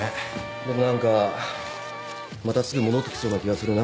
でも何かまたすぐ戻ってきそうな気がするな。